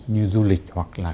như du lịch hoặc là